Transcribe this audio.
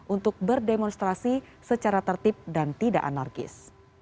untuk berdemonstrasi secara tertib dan tidak anarkis